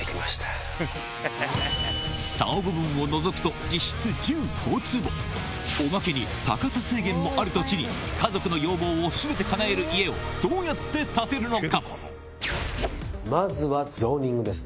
竿部分を除くとおまけに高さ制限もある土地に家族の要望を全てかなえる家をどうやって建てるのか？